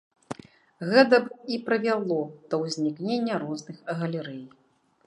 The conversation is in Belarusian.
Гэта б і прывяло да ўзнікнення розных галерэй.